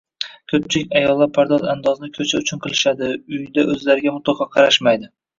Ko‘pchilik ayollar pardoz-andozni ko‘cha uchun qilishadi, uyda o‘zlariga mutlaqo qarashmaydi.